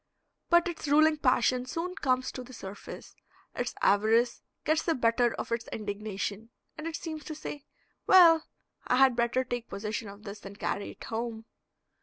But its ruling passion soon comes to the surface, its avarice gets the better of its indignation, and it seems to say, "Well, I had better take possession of this and carry it home."